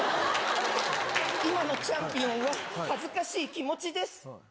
今のチャンピオンは、恥ずかしい気持ちです。